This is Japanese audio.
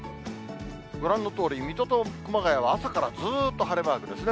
ご覧のとおり、水戸と熊谷は朝からずっと晴れマークですね。